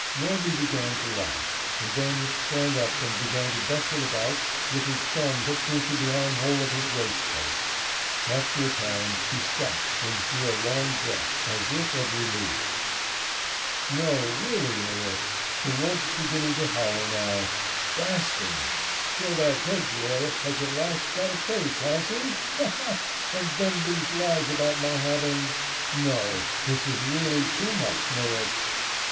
Norby began to laugh, and then sprang up and began to bustle about with his thumb hooked into the armhole of his waistcoat. After a time he stopped and drew a long breath as if of relief. "No, really, Marit! The wolf's beginning to howl now. Basting! So that hedge lawyer has at last got a case, has he? Ha, ha! And then these lies about my having No, this is really too much, Marit!"